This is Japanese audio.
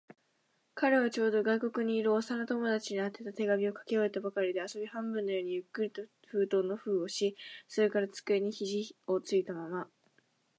彼はちょうど、外国にいる幼な友達に宛てた手紙を書き終えたばかりで、遊び半分のようにゆっくりと封筒の封をし、それから机に肘ひじをついたまま、